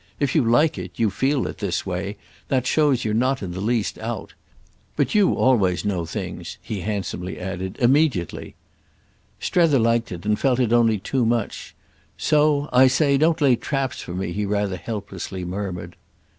If you like it, you feel it, this way, that shows you're not in the least out. But you always know things," he handsomely added, "immediately." Strether liked it and felt it only too much; so "I say, don't lay traps for me!" he rather helplessly murmured.